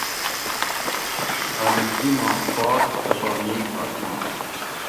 آلودگی ما پاک صفا نِیل آسمان